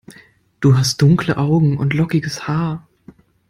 Du hast dunkle Augen und lockiges Haar.